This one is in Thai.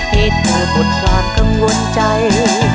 ให้เธอหมดความกังวลใจ